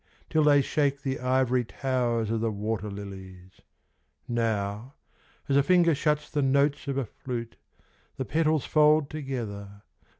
Till they shake the ivory towers of the water lilies. (huts the notes of a flute, The petals fold togetl 1